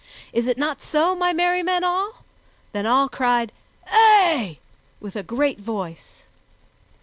Is it not so, my merry men all?" Then all cried, "Ay!" with a great voice.